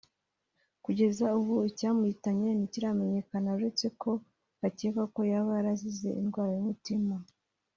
kugeza ubu icyamuhitanye ntikiramenyekana uretse ko hakekwa ko yaba yarazize indwara y’umutima